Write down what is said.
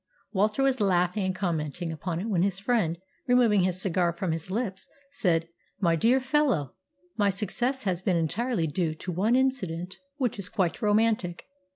Walter was laughing and commenting upon it when his friend, removing his cigar from his lips, said, "My dear fellow, my success has been entirely due to one incident which is quite romantic.